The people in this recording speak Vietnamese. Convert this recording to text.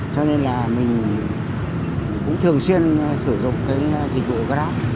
cho nên là mình cũng thường xuyên sử dụng cái dịch vụ grab